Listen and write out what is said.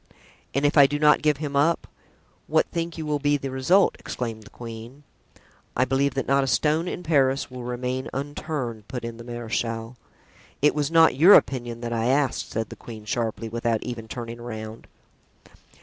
"And if I do not give him up, what think you will be the result?" exclaimed the queen. "I believe that not a stone in Paris will remain unturned," put in the marechal. "It was not your opinion that I asked," said the queen, sharply, without even turning around.